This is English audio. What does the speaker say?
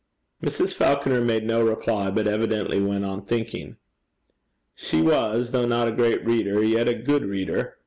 Mrs. Falconer made no reply, but evidently went on thinking. She was, though not a great reader, yet a good reader.